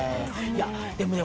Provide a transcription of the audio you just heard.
でもね